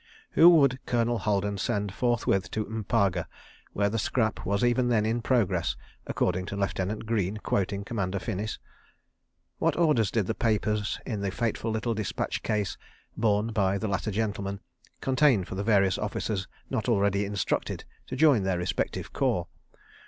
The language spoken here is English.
Who would Colonel Haldon send forthwith to M'paga, where the scrap was even then in progress (according to Lieutenant Greene, quoting Commander Finnis)? What orders did the papers in the fateful little dispatch case, borne by the latter gentleman, contain for the various officers not already instructed to join their respective corps?